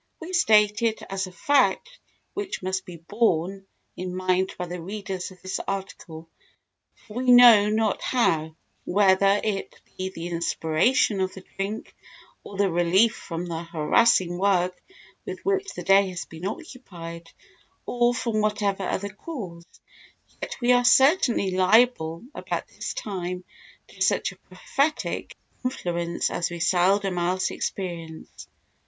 We state it as a fact which must be borne in mind by the readers of this article; for we know not how, whether it be the inspiration of the drink, or the relief from the harassing work with which the day has been occupied, or from whatever other cause, yet we are certainly liable about this time to such a prophetic influence as we seldom else experience.